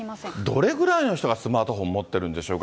どれぐらいの人がスマートフォン持ってるんでしょうか。